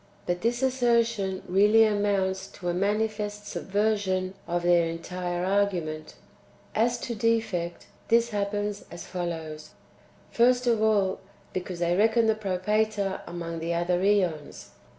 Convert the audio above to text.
But this assertion really amounts to a manifest subversion of their entire argument. As to defect, this happens as follows : first of all, because they reckon the Propator among the other ^ons.